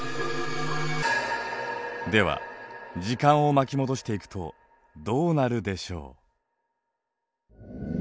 では時間を巻き戻していくとどうなるでしょう？